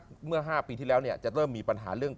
เมื่อ๕ปีที่แล้วเนี่ยจะเริ่มมีปัญหาเรื่อง